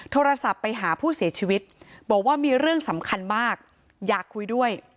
โทรศัพท์ไปหาผู้เสียชีวิตบอกว่ามีเรื่องสำคัญมากอยากคุยด้วย